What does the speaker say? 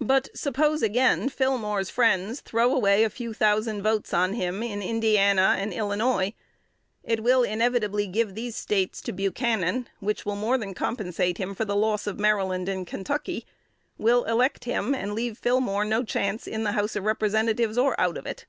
But suppose, again, Fillmore's friends throw away a few thousand votes on him in Indiana and Illinois: it will inevitably give these States to Buchanan, which will more than compensate him for the loss of Maryland and Kentucky; will elect him, and leave Fillmore no chance in the H. R., or out of it.